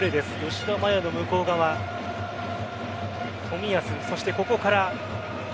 吉田麻也の向こう側冨安、そしてここから。